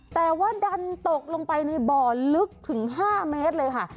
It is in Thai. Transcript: แต่ว่าดันตกลงไปในบ่อลึกถึง๕เมตรเลยค่ะ